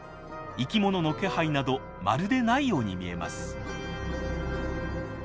生きものの気配などまるでないように見えます。